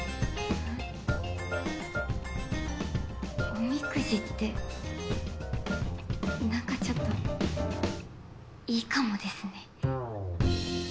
おみくじってなんかちょっと良いかもですね。